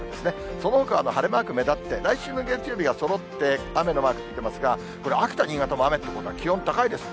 そのほかは晴れマーク目立って、来週の月曜日がそろって雨のマーク、ついてますが、これ、秋田、新潟も雨ということは、気温高いです。